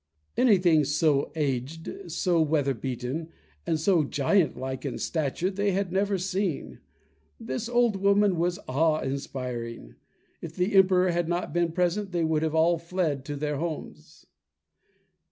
Anything so aged, so weather beaten, and so giant like in stature they had never seen. This old woman was awe inspiring! If the Emperor had not been present, they would all have fled to their homes.